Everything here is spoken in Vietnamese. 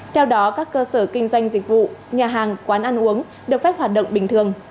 theo đó các cơ sở kinh doanh dịch vụ nhà hàng quán ăn uống được phép hoạt động bình thường